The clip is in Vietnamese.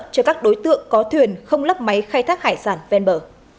cho các đối tượng có thuyền không lắp máy khai thác hải sản ven bờ